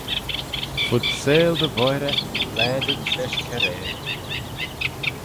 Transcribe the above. Fud seihll dy voirey laadit lesh cairail.